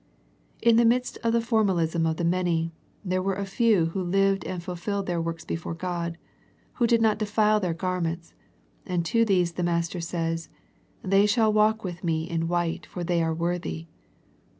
In the midst of the formal ism of the many, there were a few who lived and fulfilled their works before God, who did not defile their garments, and to these the Master says, " They shall walk with Me in white for they are worthy."